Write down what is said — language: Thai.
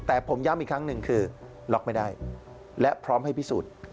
แต่ผมย้ำอีกครั้งหนึ่งคือล็อกไม่ได้และพร้อมให้พิสูจน์